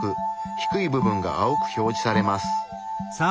低い部分が青く表示されます。